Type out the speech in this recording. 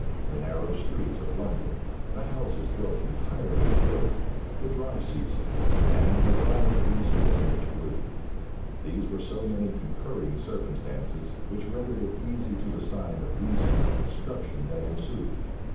The narrow streets of London, the houses built entirely of wood, the dry season, and a violent east wind which blew; these were so many concurring circumstances, which rendered it easy to assign the reason of the destruction that ensued.